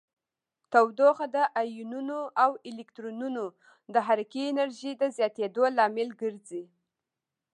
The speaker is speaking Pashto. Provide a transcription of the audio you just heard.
تودوخه د ایونونو او الکترونونو د حرکې انرژي د زیاتیدو لامل ګرځي.